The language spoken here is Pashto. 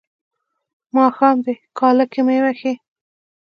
ماښام دی کاله کې مې وهي.